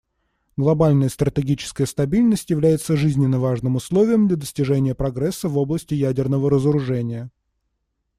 Глобальная стратегическая стабильность является жизненно важным условием для достижения прогресса в области ядерного разоружения.